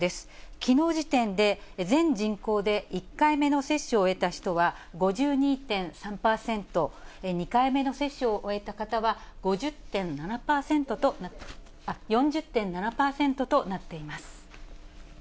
きのう時点で、全人口で１回目の接種を終えた人は５２．３％、２回目の接種を終えた方は４０．７％となっています。